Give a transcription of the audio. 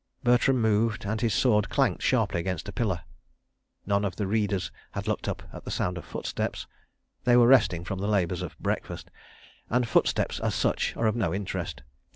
... Bertram moved, and his sword clanked sharply against a pillar. None of the readers had looked up at the sound of footsteps—they were resting from the labours of breakfast, and footsteps, as such, are of no interest.